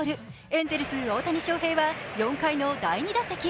エンゼルス・大谷翔平は４回の第２打席。